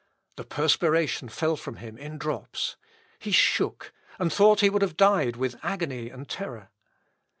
The perspiration fell from him in drops; he shook, and thought he would have died with agony and terror.